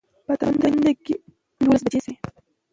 په تندي کې دولس بجې شوې.